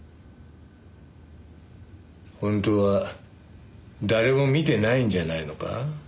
本当は誰も見てないんじゃないのか？